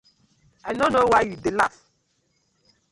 I no no wai yu dey laff.